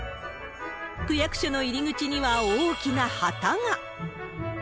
区役所の入り口には大きな旗が。